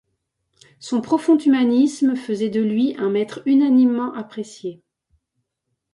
Son profond humanisme faisait de lui un maître unanimement apprécié.